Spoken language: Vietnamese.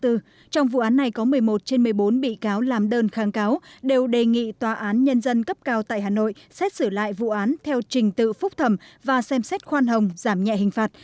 trong vụ án này có một mươi một trên một mươi bốn bị cáo làm đơn kháng cáo đều đề nghị tòa án nhân dân cấp cao tại hà nội xét xử lại vụ án theo trình tự phúc thẩm và xem xét khoan hồng giảm nhẹ hình phạt